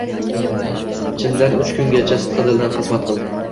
Chindan uch kungacha sidqidildan xizmat qildi.